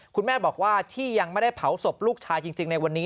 คุณแม่บอกว่าที่ยังไม่ได้เผาศพลูกชายจริงในวันนี้